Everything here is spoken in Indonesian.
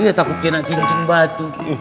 iya takut kena kencing batu